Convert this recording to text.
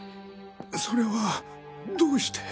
それはどうして？